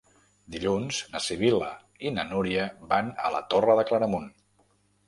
Dilluns na Sibil·la i na Núria van a la Torre de Claramunt.